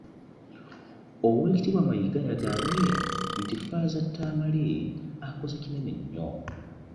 Oweekitiibwa Mayiga yagambye nti Ffaaza Tamale akoze kinene nnyo.